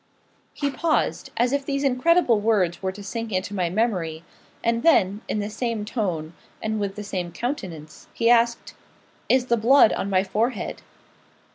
He paused, as if these incredible words were to sink into my memory; and then, in the same tone, and with the same countenance, he asked 'Is the blood on my forehead?'